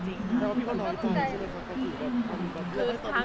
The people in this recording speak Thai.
แต่ว่าพี่บอลน้อยต้องกราบขอโทรจริง